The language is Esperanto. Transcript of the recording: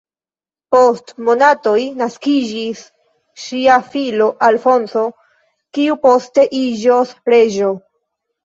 Post monatoj naskiĝis ŝia filo Alfonso, kiu poste iĝos reĝo.